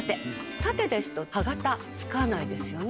縦ですと歯形つかないですよね。